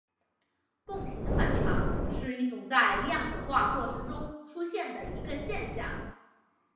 共形反常是一种在量子化过程中出现的一个现象。